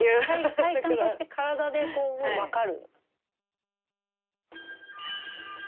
体感として体で分かる。